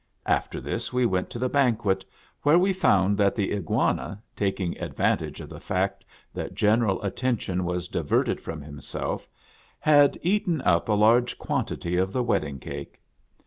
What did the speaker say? After this we went to the banquet, where we found that the Iguana, taking advantage of the fact that general attention was diverted from himself, had eaten up a large quantity of the wedding cake.